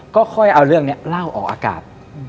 ก็ค่อยเอาเรื่องนี้เล่าออกอากาศ